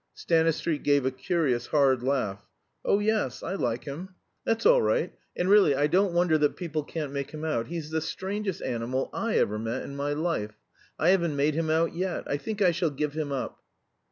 Stanistreet gave a curious hard laugh. "Oh yes I like him." "That's all right. And really, I don't wonder that people can't make him out. He's the strangest animal I ever met in my life. I haven't made him out yet. I think I shall give him up."